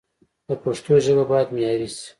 د پښتو ژبه باید معیاري شي